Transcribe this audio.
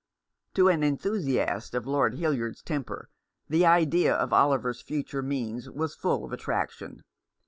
To an enthusiast of Lord Hildyard's temper the idea of Oliver's future means was full of attraction.